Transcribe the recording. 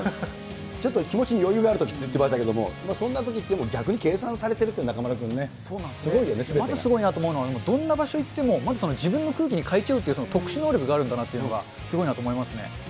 ちょっと気持ちに余裕があるときって言ってましたけども、そんなときっていうのも逆に計算されているっていう、中丸君、すごいよまずすごいなと思うのは、どんな場所に行っても自分の空気に変えちゃうって、特殊能力があるんだなっていうのがすごいと思いますね。